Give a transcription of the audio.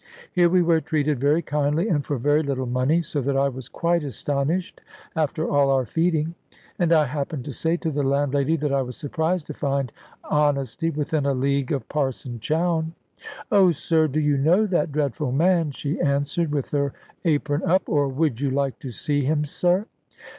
Here we were treated very kindly, and for very little money, so that I was quite astonished after all our feeding. And I happened to say to the landlady that I was surprised to find honesty within a league of Parson Chowne. "Oh, sir, do you know that dreadful man?" she answered, with her apron up; "or would you like to see him, sir?"